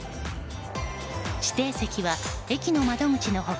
指定席は、駅の窓口の他